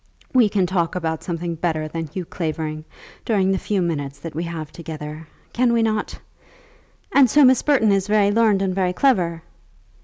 We can talk about something better than Hugh Clavering during the few minutes that we have together; can we not? And so Miss Burton is very learned and very clever?"